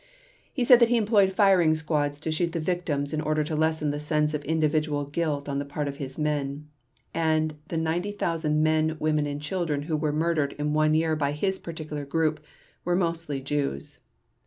He said that he employed firing squads to shoot the victims in order to lessen the sense of individual guilt on the part of his men; and the 90,000 men, women, and children who were murdered in one year by his particular group were mostly Jews.